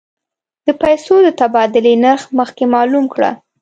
د پیسو د تبادلې نرخ مخکې معلوم کړه.